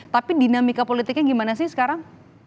tapi dinamika politiknya gimana sih sekarang